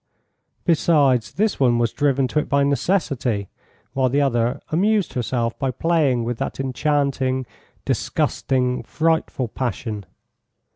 Besides, this one was driven to it by necessity, while the other amused herself by playing with that enchanting, disgusting, frightful passion.